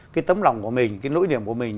cái tấm lòng của mình cái nỗi niềm của mình